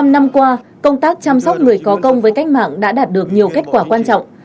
một mươi năm năm qua công tác chăm sóc người có công với cách mạng đã đạt được nhiều kết quả quan trọng